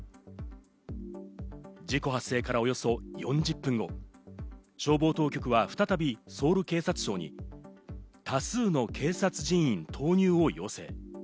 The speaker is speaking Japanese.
事故発生からおよそ４０分後、消防当局は再びソウル警察庁に多数の警察人員投入を要請。